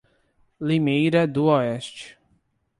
Limeira do Oeste